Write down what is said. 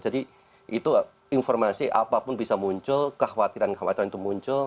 jadi itu informasi apapun bisa muncul kekhawatiran kekhawatiran itu muncul